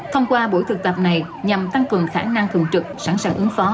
thông qua buổi thực tập này nhằm tăng cường khả năng thường trực sẵn sàng ứng phó